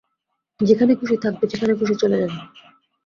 যেখানে খুশী থাকবে, যেখানে খুশী চলে যাবে।